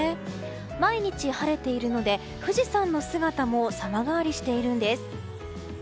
毎日晴れているので富士山の姿も様変わりしているんです。